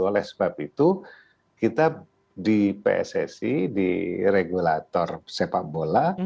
oleh sebab itu kita di pssi di regulator sepak bola